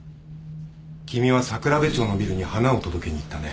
君は桜部町のビルに花を届けに行ったね。